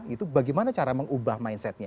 itu bagaimana cara mengubah mindsetnya